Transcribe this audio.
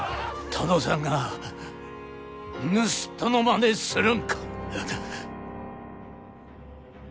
殿さんが盗人のまねするんか！